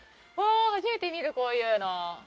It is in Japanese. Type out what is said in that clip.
初めて見るこういうの。